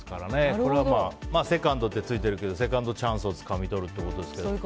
これは「ＳＥＣＯＮＤ」ってついているけどセカンドチャンスをつかみ取るということですけど。